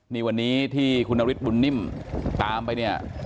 นี่วันนี้ที่คุณนฤทธบุญนิ่มตามไปเนี่ย